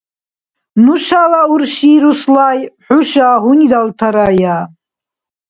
Нушала урши Руслай хӀуша гьунирдалтарая.